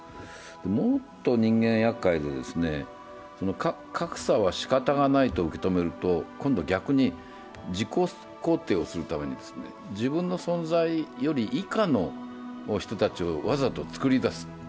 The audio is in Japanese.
もっと人間はやっかいで、格差はしかたがないと受け止めると今度は逆に自己肯定をするために自分の存在より以下の人たちをわざと作り出す。